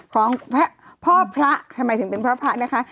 ของพ่อพระทำไมถึงเป็นพระพระนะคะ